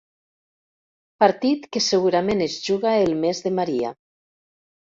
Partit que segurament es juga el mes de Maria.